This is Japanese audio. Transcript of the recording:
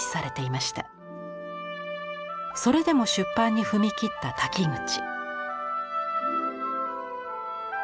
それでも出版に踏み切った瀧口。